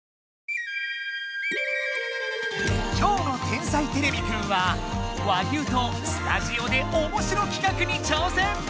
今日の「天才てれびくん」は和牛とスタジオでおもしろ企画にちょうせん！